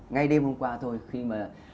ngay đêm hôm qua thôi khi mà